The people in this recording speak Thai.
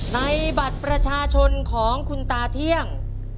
บัตรประชาชนของคุณตาเที่ยง